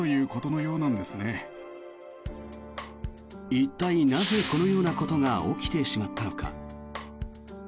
一体なぜ、このようなことが起きてしまったのか。